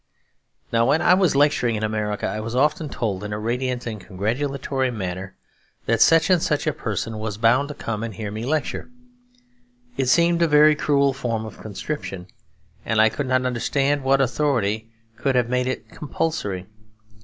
Now when I was lecturing in America I was often told, in a radiant and congratulatory manner, that such and such a person was bound to come and hear me lecture. It seemed a very cruel form of conscription, and I could not understand what authority could have made it compulsory.